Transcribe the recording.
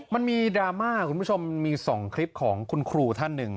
มันมีดราม่าคุณผู้ชมมี๒คลิปของคุณครูท่านหนึ่ง